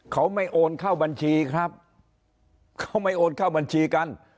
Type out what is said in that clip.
เขาไม่โอนเข้าบัญชีครับเขาไม่โอนเข้าบัญชีกัน